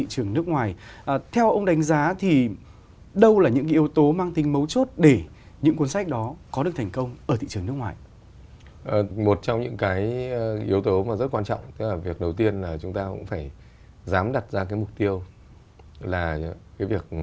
chúng ta lại không thể xuất khẩu được